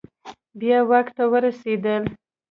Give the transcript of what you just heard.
بیا واک ته ورسیدل